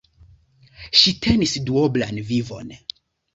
Ŝi tenis duoblan vivon.